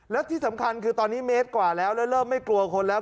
แล้วที่สำคัญคือตอนนี้เมตรกว่าแล้วแล้วเริ่มไม่กลัวคนแล้ว